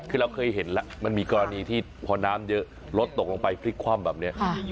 เราเคยเห็นมันมีกรณีหรือพนน้ำเยอะรถตกลงไปพลิกคว่ำแบบเนี้ย